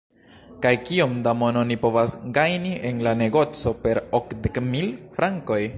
kaj kiom da mono oni povas gajni en la negoco per okdek mil frankoj?